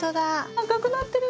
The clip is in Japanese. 赤くなってる。